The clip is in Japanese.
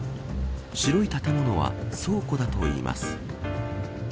白い建物は倉庫だといいます。